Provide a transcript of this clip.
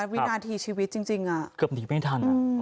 วินาทีชีวิตจริงจริงอ่ะเกือบหนีไม่ทันอ่ะอืม